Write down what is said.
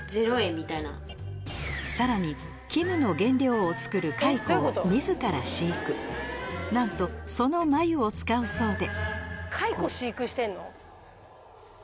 さらに絹の原料を作る蚕を自ら飼育なんとその繭を使うそうで蚕飼育してんの？